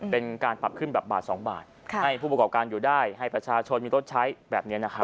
เป็นการปรับขึ้นแบบบาท๒บาทให้ผู้ประกอบการอยู่ได้ให้ประชาชนมีรถใช้แบบนี้นะครับ